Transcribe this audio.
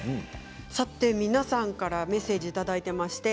皆さんからメッセージをいただいています。